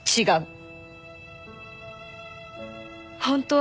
違う！